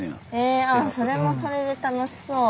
それもそれで楽しそう。